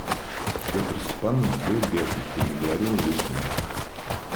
Петр Степанович был в бешенстве и наговорил лишнего.